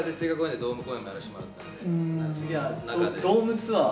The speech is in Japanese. ドームツアー？